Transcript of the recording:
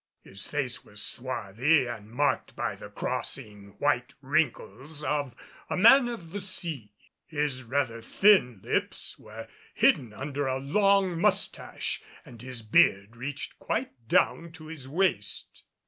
His face was swarthy and marked by the crossing white wrinkles of a man of the sea. His rather thin lips were hid under a long moustache and his beard reached quite down to his waist.